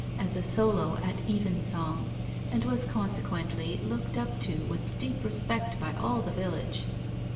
as a solo at even song, and was consequently looked up to with deep respect by all the village.